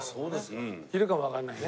いるかもわかんないね。